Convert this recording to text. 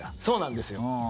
そうなんですよ。